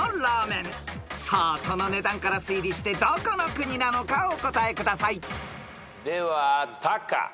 ［さあその値段から推理してどこの国なのかお答えください］ではタカ。